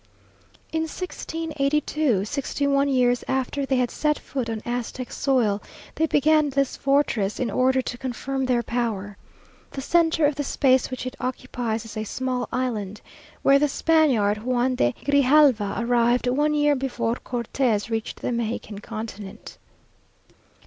In 1682, sixty one years after they had set foot on Aztec soil, they began this fortress, in order to confirm their power. The centre of the space which it occupies is a small island, where the Spaniard, Juan de Grijalva arrived, one year before Cortes reached the Mexican continent.